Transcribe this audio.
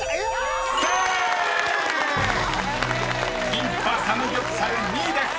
「キンパサムギョプサル」２位です］